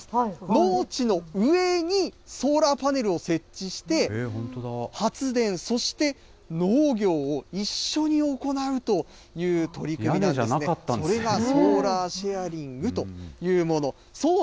農地の上にソーラーパネルを設置して、発電、そして農業を一緒に行うという取り組みでして、それがソーラーシェアリングというもの。